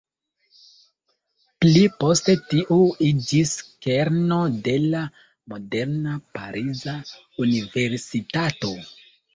Pli poste tiu iĝis kerno de la moderna pariza universitato.